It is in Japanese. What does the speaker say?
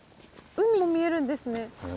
海も見えるんですね。